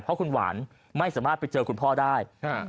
เพราะคุณหวานไม่สามารถไปเจอคุณพ่อได้